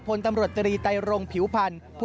พลตำรวจตรีไตรรงผิวพันธ์